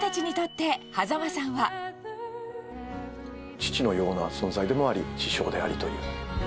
父のような存在でもあり、師匠でありという。